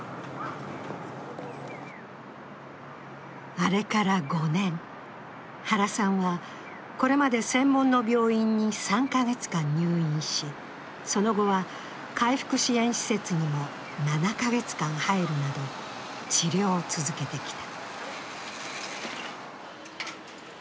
あれから５年、原さんはこれまで専門の病院に３か月間入院し、その後は回復支援施設にも７か月間入るなど、治療を続けてきた。